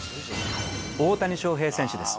大谷翔平選手です。